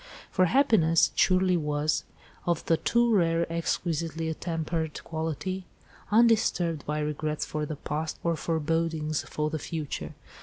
For happiness, it surely was, of the too rare, exquisitely attempered quality, undisturbed by regrets for the past, or forebodings for the future.